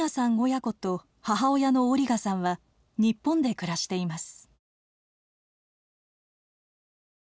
親子と母親のオリガさんは日本で暮らしています。